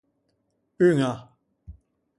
Uña.